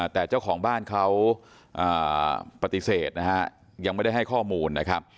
แต่เจ้าของบ้านเขาปฏิเสธยังไม่ได้ให้ข้อมูล